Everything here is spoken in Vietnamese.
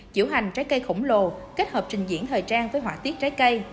diễu hành trái cây khổng lồ kết hợp trình diễn thời trang với họa tiết trái cây